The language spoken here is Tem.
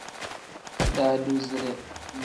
Daadoside.